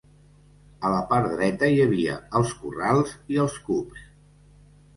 A la part dreta hi havia els corrals i els cups.